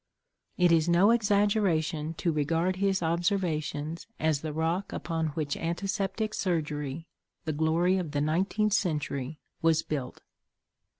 It is no exaggeration to regard his observations as the rock upon which antiseptic surgery, the glory of the nineteenth century, was built.